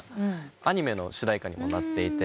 アニメの主題歌にもなっていて。